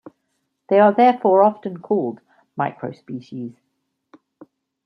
They are therefore often called microspecies.